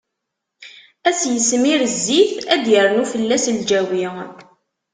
Ad s-ismir zzit, ad d-irnu fell-as lǧawi.